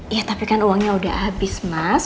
ya tapi kan uangnya udah habis mas